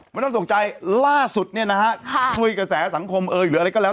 ไม่ต้องตกใจล่าสุดเนี่ยนะฮะช่วยกระแสสังคมเอ่ยหรืออะไรก็แล้ว